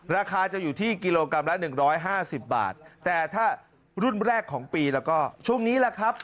ราคาจะอยู่ที่กิโลกรัมละ๑๕๐บาทแต่ถ้ารุ่นแรกของปีแล้วก็ช่วงนี้แหละครับ